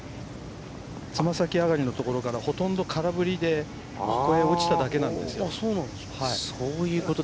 つま先上がりのところからほとんど空振りで落ちただけなんですよ。